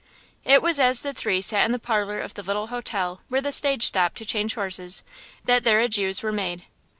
It was as the three sat in the parlor of the little hotel where the stage stopped to change horses that their adieus were made.